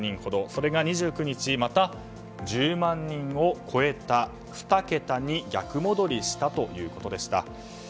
それが２９日また１０万人を超えた２桁に逆戻りしたということでした。